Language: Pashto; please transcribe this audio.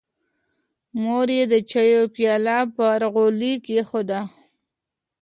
مور یې د چایو پیاله پر غولي کېښوده.